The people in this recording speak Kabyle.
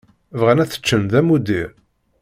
Bɣan ad t-ččen d amuddir.